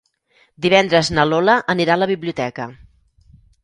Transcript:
Divendres na Lola anirà a la biblioteca.